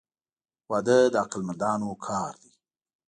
• واده د عقل مندانو کار دی.